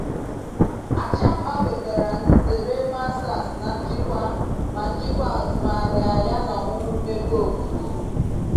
Achakpa nwetara nzere mastas na Njikwa ma Njikwa azumahia, yana ọmụmụ mmepe obodo.